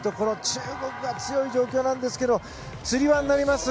中国が強い状況なんですがつり輪になります。